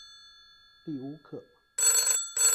利乌克。